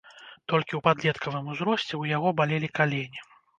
Толькі ў падлеткавым узросце ў яго балелі калені.